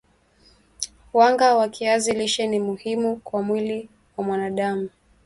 Wanga wa kiazi lishe ni muhimu kwa mwili wa mwanadam